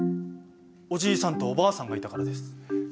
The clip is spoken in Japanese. おじいさんとおばあさんがいたからです。